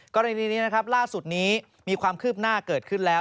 กรณีนี้นะครับล่าสุดนี้มีความคืบหน้าเกิดขึ้นแล้ว